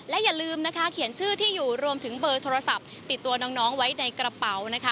อย่าลืมนะคะเขียนชื่อที่อยู่รวมถึงเบอร์โทรศัพท์ติดตัวน้องไว้ในกระเป๋านะคะ